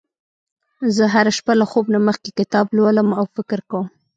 زه هره شپه له خوب نه مخکې کتاب لولم او فکر کوم